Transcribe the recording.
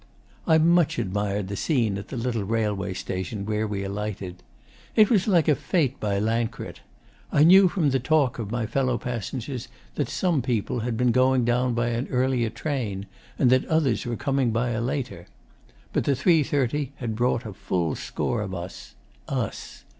'I much admired the scene at the little railway station where we alighted. It was like a fete by Lancret. I knew from the talk of my fellow passengers that some people had been going down by an earlier train, and that others were coming by a later. But the 3.30 had brought a full score of us. Us!